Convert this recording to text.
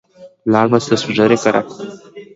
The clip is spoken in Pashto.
سپین ږیری د کلي د احترام وړ کسان دي